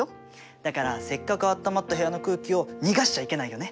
だからせっかくあったまった部屋の空気を逃がしちゃいけないよね。